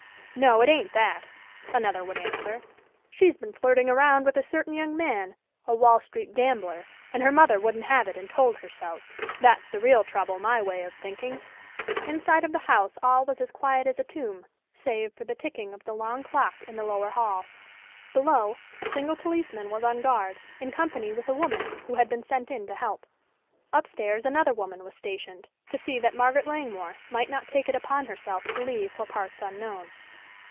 "No, it ain't that," another would answer. "She's been flirting around with a certain young man, a Wall Street gambler, and her mother wouldn't have it and told her so. That's the real trouble, my way of thinking." Inside of the house all was as quiet as a tomb save for the ticking of the long clock in the lower hall. Below, a single policeman was on guard, in company with a woman, who had been sent in to help: Upstairs another woman was stationed, to see that Margaret Langmore might not take it upon herself to leave for parts unknown.